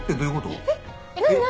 えっ何？